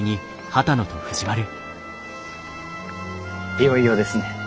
いよいよですね。